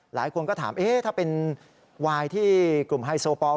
หลายคนก็ถามถ้าเป็นวายที่กลุ่มไฮโซปอล